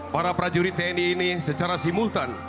para prajurit tni ini secara simultan